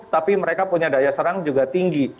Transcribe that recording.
tapi mereka punya daya serang juga tinggi